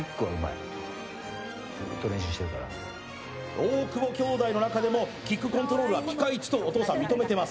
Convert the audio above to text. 大久保兄弟の中でもキックコントロールはピカイチとお父さんは認めています。